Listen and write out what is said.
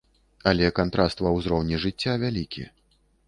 Але кантраст ва ўзроўні жыцця вялікі.